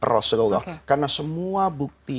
rasulullah karena semua bukti